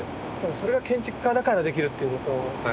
それが建築家だからできるっていうことなんでしょうね。